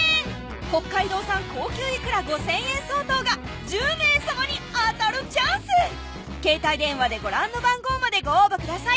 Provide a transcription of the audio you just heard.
北海道産高級いくら５，０００円相当が１０名様に当たるチャンス携帯電話でご覧の番号までご応募ください